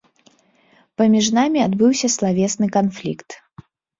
Паміж намі адбыўся славесны канфлікт.